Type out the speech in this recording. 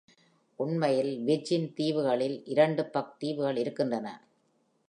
உண்மையில் விர்ஜின் தீவுகளில் இரண்டு பக் தீவுகள் இருக்கின்றன.